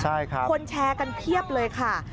ใช่ครับคนแชร์กันเพียบเลยค่ะ